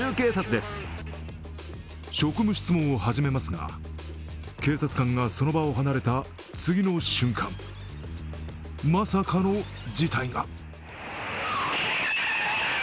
職務質問を始めますが、警察官がその場を離れた次の瞬間、まさかの事態が。